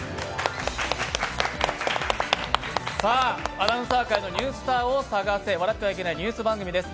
アナウンサー界のニュースターを探せ笑ってはいけないニュース番組です。